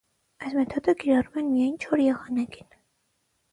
Այս մեթոդը կիրառում են միայն չոր եղանակին։